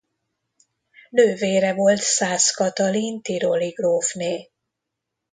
Nővére volt Szász Katalin tiroli grófné.